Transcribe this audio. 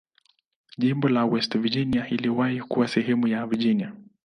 Jimbo la West Virginia iliwahi kuwa sehemu ya Virginia.